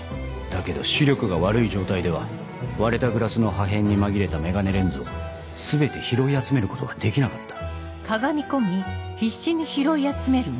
だけど視力が悪い状態では割れたグラスの破片に紛れたメガネレンズを全て拾い集めることはできなかった。